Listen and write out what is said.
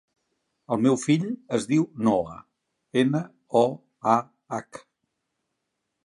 El meu fill es diu Noah: ena, o, a, hac.